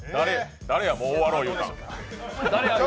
誰や、もう終わろ、言うたん。